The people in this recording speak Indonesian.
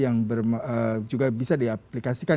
yang juga bisa diaplikasikan